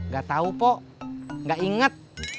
gak tau pok gak inget